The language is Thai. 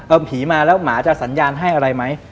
เอาผีมาแล้วหมาจะสัญญาณให้อะไรไหม